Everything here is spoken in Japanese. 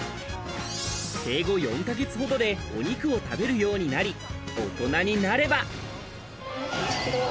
生後４か月ほどで、お肉を食べるようになり、大人になれば。